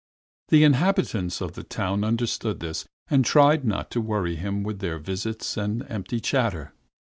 The inhabitants of the town understood this, and tried not to worry him with their visits and empty chatter.